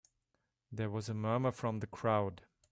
There was a murmur from the crowd.